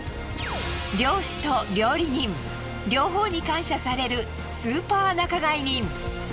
漁師と料理人両方に感謝されるスーパー仲買人。